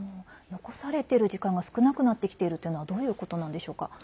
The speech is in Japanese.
残されてる時間が少なくなってきているというのはどういうことなんでしょうか？